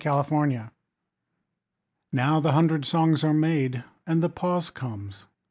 55 EPILOGUE Now the hundred songs are made, And the pause comes.